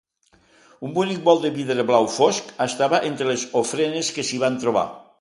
Un bonic bol de vidre blau fosc estava entre les ofrenes que s'hi van trobar.